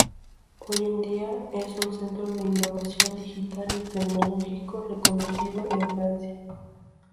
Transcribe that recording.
Hoy en día, es un centro de innovación digital y tecnológico reconocido en Francia.